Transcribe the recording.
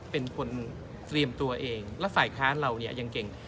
เป็นคนเตรียมตัวเองและฝ่ายค้านเราเนี่ยยังเก่ง